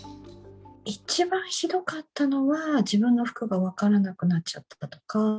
一番ひどかったのは、自分の服が分からなくなっちゃったとか。